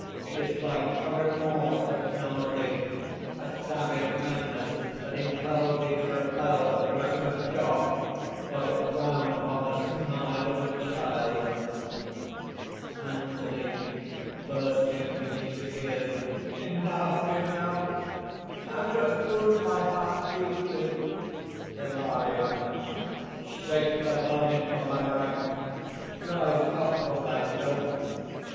It is like a remorse that gnaws thee, a savage madness that impels thee to repel the caress of a dog or to frown upon the smile of a child." ANTHONY (bursting into tears). "Enough! enough! thou dost wound my heart deeply." HILARION. "Shake the vermin from thy rags! Rise up from thy filth!